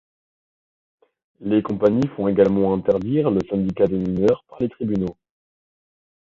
Les compagnies font également interdire le syndicat des mineurs par les tribunaux.